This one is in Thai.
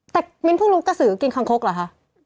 แต่มิ้นพูดลุงกระสือกินคางคกหรอคะ